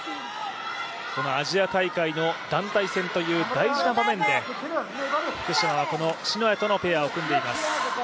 このアジア大会の団体戦という大事な場面で、福島はこの篠谷とのペアを組んでいます。